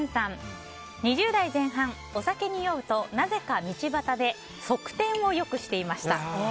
２０代前半、お酒に酔うとなぜか道端で側転をよくしていました。